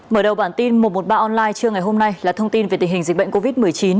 mở đầu bản tin một trăm một mươi ba online trưa ngày hôm nay là thông tin về tình hình dịch bệnh covid một mươi chín